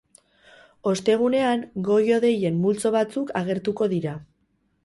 Ostegunean, goi-hodeien multzo batzuk agertuko dira.